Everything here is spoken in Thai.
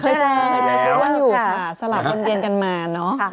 เคยเจอเพื่อนอยู่ค่ะสลับวนเวียนกันมาเนอะ